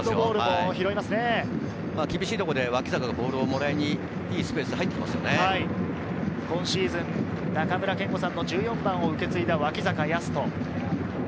厳しいところで脇坂がボールをもらいにいいスペースに入ってきま今シーズン中村憲剛さんの１４番を受け継いだ脇坂泰斗。